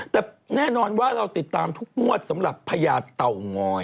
แต่แน่นอนว่าเราติดตามทุกงวดสำหรับพญาเต่างอย